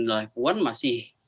oleh puan masih